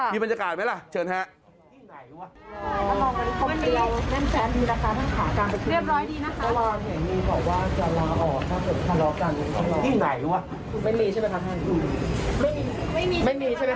มีบรรยากาศไหมล่ะเชิญครับ